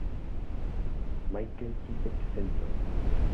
Michael Tippett Centre.